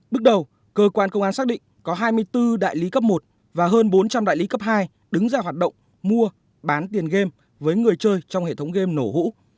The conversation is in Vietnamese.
bước đầu cơ quan công an xác định có hai mươi bốn đại lý cấp một và hơn bốn trăm linh đại lý cấp hai đứng ra hoạt động mua bán tiền game với người chơi trong hệ thống game nổ hũ